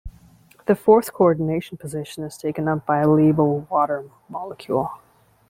The fourth coordination position is taken up by a labile water molecule.